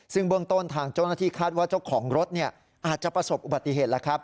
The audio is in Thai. ซึ่งเบื้องต้นทางเจ้าหน้าที่คาดว่าเจ้าของรถอาจจะประสบอุบัติเหตุแล้วครับ